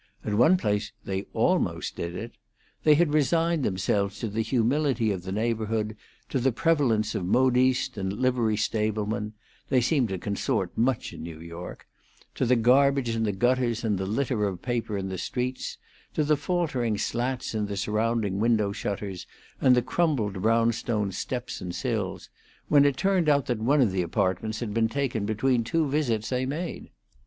At one place they almost did it. They had resigned themselves to the humility of the neighborhood, to the prevalence of modistes and livery stablemen (they seem to consort much in New York), to the garbage in the gutters and the litter of paper in the streets, to the faltering slats in the surrounding window shutters and the crumbled brownstone steps and sills, when it turned out that one of the apartments had been taken between two visits they made.